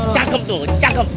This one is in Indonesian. cakep tuh cakep